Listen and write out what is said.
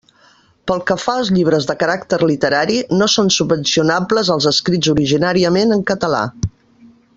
Pel que fa als llibres de caràcter literari, no són subvencionables els escrits originàriament en català.